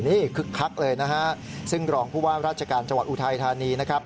นี่คึกคักเลยนะฮะซึ่งรองผู้ว่าราชการจังหวัดอุทัยธานีนะครับ